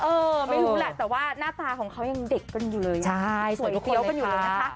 เออไม่รู้แหละแต่ว่าหน้าตาของเขายังเด็กกันอยู่เลยสวยเฟี้ยวกันอยู่เลยนะคะ